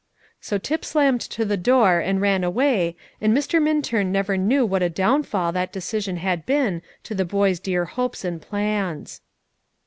So Tip slammed to the door and ran away and Mr. Minturn never knew what a downfall that decision had been to the boy's dear hopes and plans.